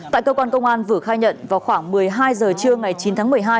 tại cơ quan công an vự khai nhận vào khoảng một mươi hai h trưa ngày chín tháng một mươi hai